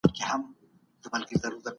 سم نیت اندیښنه نه پیدا کوي.